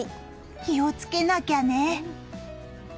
気をつけなきゃね。